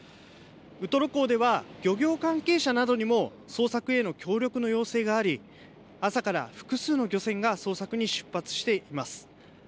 ウトロ港では漁業関係者などにも捜索への協力の要請があり朝から複数の漁船が捜索に出発しています。